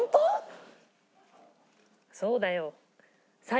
そうだよ。